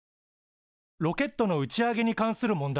ロケットの打ち上げに関する問題です。